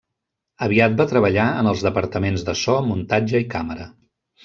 Aviat va treballar en els departaments de so, muntatge i càmera.